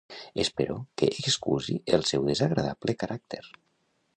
Espero que excusi el seu desagradable caràcter.